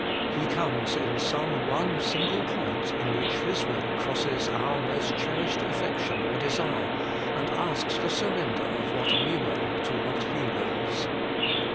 He comes in some one single point in which His will crosses our most cherished affection or desire, and asks the surrender of what we will to what He wills.